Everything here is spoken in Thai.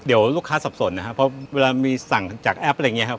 เดี๋ยวลูกค้าสับสนนะครับเพราะเวลามีสั่งจากแอปอะไรอย่างนี้ครับ